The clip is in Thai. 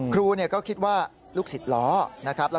ครูก็คิดว่าลูกศิษย์ล้อ